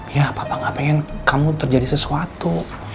ya papa gak pengen kamu terjadi sesuatu